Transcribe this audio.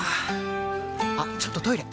あっちょっとトイレ！